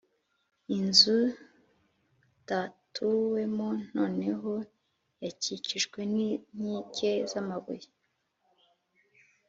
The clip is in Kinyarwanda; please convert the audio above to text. Inzudatuwemo noneho yakikijwe n’inkike z’amabuye